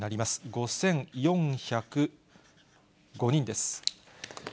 ５４０５人です。